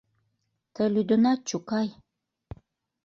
— Тый лӱдынат, чукай…